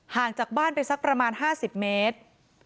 ห่างจากบ้านไปสักประมาณ๕๐เมตร